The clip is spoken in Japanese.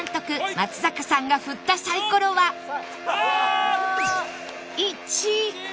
松坂さんが振ったサイコロは１